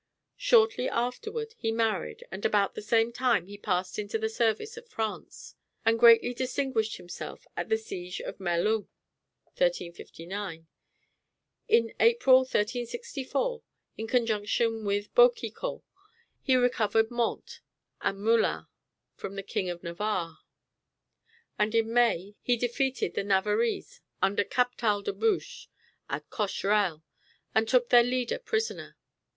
Shortly afterward he married; and about the same time he passed into the service of France, and greatly distinguished himself at the siege of Melun (1359). In April, 1364, in conjunction with Boucicault, he recovered Mantes and Meulan from the King of Navarre; and in May he defeated the Navarrese under Captal de Buch at Cocherel, and took their leader prisoner.